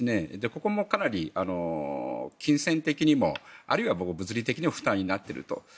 ここもかなり金銭的にもあるいは物理的にも負担になっていると。